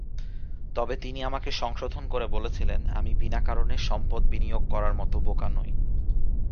তবে তিনি আমাকে সংশোধন করে বলেছিলেন, 'আমি বিনা কারণে সম্পদ বিনিয়োগ করার মত বোকা নই"।"